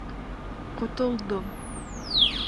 Ҡотолдом.